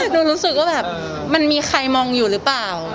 รู้สึกว่าแบบมันมีใครมองอยู่หรือเปล่า